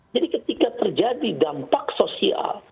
jadi ketika terjadi dampak sosial